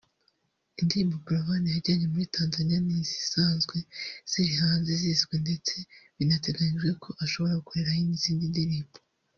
Indirimbo Buravan yajyanye muri Tanzaniya ni izisanzwe ziri hanze zizwi ndetse binateganyijwe ko ashobora kuzakorerayo izindi ndirimbo